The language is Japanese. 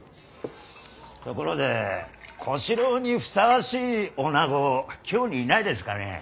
ところで小四郎にふさわしい女子京にいないですかね。